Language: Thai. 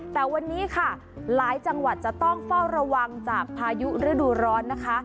แต่วันนี้ค่ะหลายจังหวัดจะต้องเฝ้าระวังจากพายุฤดูร้อนนะคะ